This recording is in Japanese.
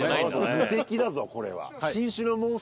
無敵だぞこれは。